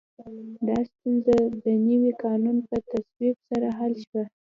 دا ستونزه د نوي قانون په تصویب سره حل شوه.